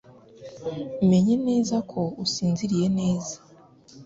Menya neza ko usinziriye neza.